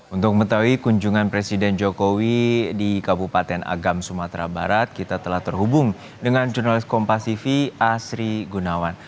untuk mengetahui kunjungan presiden jokowi di kabupaten agam sumatera barat kita telah terhubung dengan jurnalis kompasifi asri gunawan